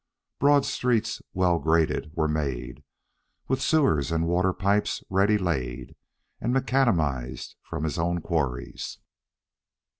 Broad streets, well graded, were made, with sewers and water pipes ready laid, and macadamized from his own quarries.